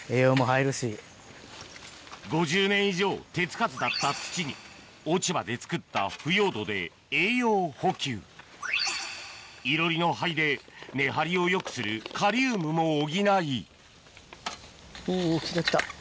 ５０年以上手付かずだった土に落ち葉で作った腐葉土で栄養補給囲炉裏の灰で根張りをよくするカリウムも補いおぉきたきた。